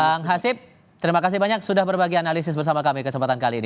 bang hasib terima kasih banyak sudah berbagi analisis bersama kami kesempatan kali ini